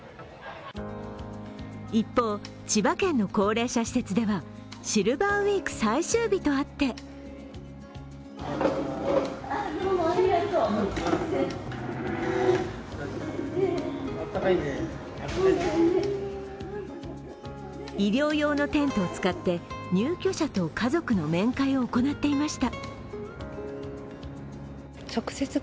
一方、千葉県の高齢者施設ではシルバーウイーク最終日とあって医療用のテントを使って入居者と家族の面会を行っていました。